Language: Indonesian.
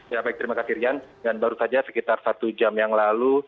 ya baik terima kasih rian dan baru saja sekitar satu jam yang lalu